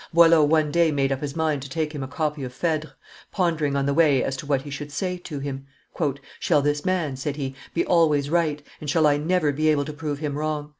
Boileau one day made up his mind to take him a copy of Phedre, pondering on the way as to what he should say to him. "Shall this man," said he, "be always right, and shall I never be able to prove him wrong?